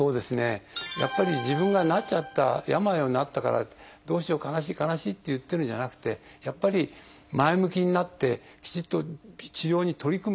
やっぱり自分がなっちゃった病になったからどうしよう悲しい悲しいって言ってるんじゃなくてやっぱり前向きになってきちっと治療に取り組むと。